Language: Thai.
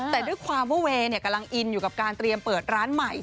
แต่ด้วยความว่าเวย์กำลังอินอยู่กับการเตรียมเปิดร้านใหม่